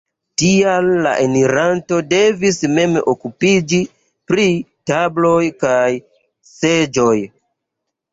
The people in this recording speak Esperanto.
Tial la enirantoj devis mem okupiĝi pri tabloj kaj seĝoj.